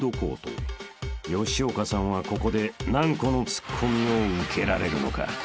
［吉岡さんはここで何個のツッコミを受けられるのか？］